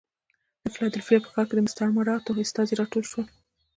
د فلادلفیا په ښار کې مستعمراتو استازي راټول شول.